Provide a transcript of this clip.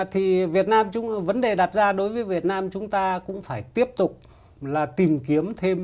thì vấn đề đặt ra đối với việt nam chúng ta cũng phải tiếp tục tìm kiếm thêm